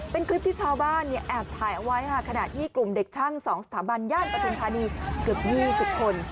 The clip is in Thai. เป็นคลิปที่ชาวบ้านเนี่ยแอบถ่ายเอาไว้ค่ะขณะที่กลุ่มเด็กช่าง๒สถาบันย่านปฐุมธานีเกือบ๒๐คน